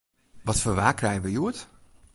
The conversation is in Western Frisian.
Wat foar waar krije we hjoed?